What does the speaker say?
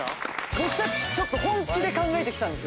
僕たちちょっと本気で考えてきたんです。